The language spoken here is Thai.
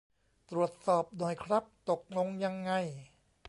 ตรวจสอบหน่อยครับ ตกลงยังไง